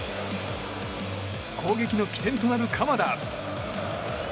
攻撃の起点となる鎌田。